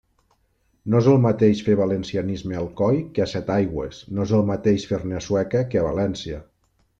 No és el mateix fer valencianisme a Alcoi que a Setaigües, no és el mateix fer-ne a Sueca que a València.